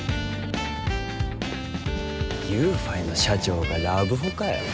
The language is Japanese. ＹｏｕＦｉの社長がラブホかよ。